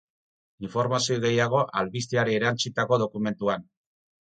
Informazio gehiago, albisteari erantsitako dokumentuan.